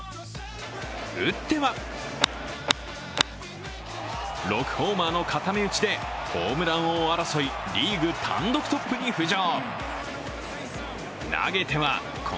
打っては６ホーマーの固め打ちでホームラン王争いリーグ単独トップに浮上。